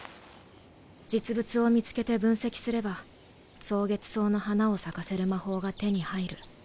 実物を見つけて分析すれば蒼月草の花を咲かせる魔法が手に入る。